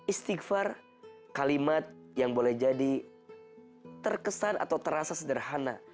istighfar kalimat yang boleh jadi terkesan atau terasa sederhana